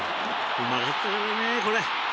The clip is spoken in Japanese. うまかったからねこれ。